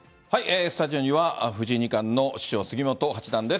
スタジオには、藤井二冠の師匠、杉本八段です。